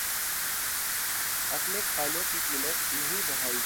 اپنے کھانوں کی قیمت نہیں بڑھائی